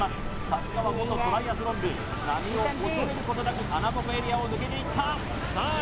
さすがは元トライアスロン部波を恐れることなく穴ぼこエリアを抜けていったさあ